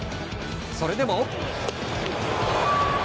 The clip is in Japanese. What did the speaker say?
それでも。